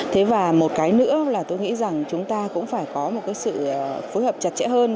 thế và một cái nữa là tôi nghĩ rằng chúng ta cũng phải có một cái sự phối hợp chặt chẽ hơn